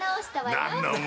何だお前。